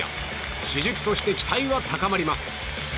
主軸として期待が高まります。